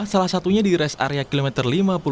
salah satunya di res area kilometer lima puluh